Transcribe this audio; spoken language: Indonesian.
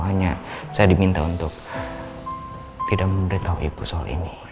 hanya saya diminta untuk tidak memberitahu ibu soal ini